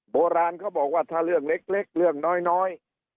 โบราณเขาบอกว่าถ้าเรื่องเล็กเรื่องน้อย